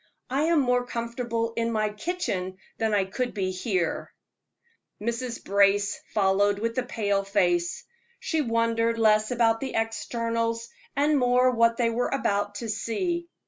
I am more comfortable in my kitchen than I could be here." Mrs. Brace followed with a pale face. She wondered less about the externals, and more what they were about to see.